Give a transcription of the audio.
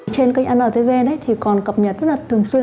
trên kênh antv thì còn cập nhật rất là thường xuyên